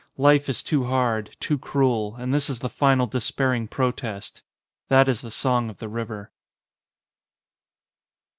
Life is too hard, too cruel, and this is the final despairing protest. That is the song of the river.